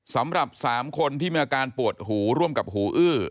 สำหรับ๓คนที่มีอาการปวดหูร่วมกับหูอื้อ